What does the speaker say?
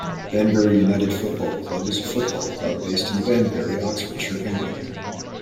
Banbury United Football Club is a football club based in Banbury, Oxfordshire, England.